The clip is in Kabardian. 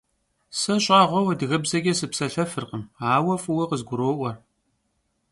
Se ş'ağueu adıgebzeç'e sıpselhefırkhım, aue f'ıue khızguro'ue.